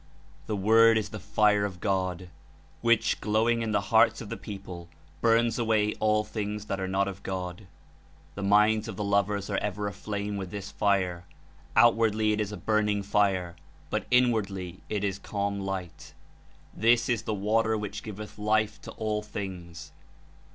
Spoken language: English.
The Word is the Fire of God, which, glow ing in the hearts of the people, burns away all things that are not of God. The minds of the lovers are ever aflame with this fire Outwardly it is a burning fire, but inwardly it is calm light. This is the Water which giveth life to all things.